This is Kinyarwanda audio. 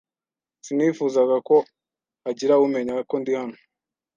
Sinifuzaga ko hagira umenya ko ndi hano.